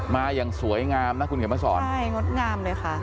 มาอย่างสวยงามนะคุณเขียนมาสอนใช่งดงามเลยค่ะ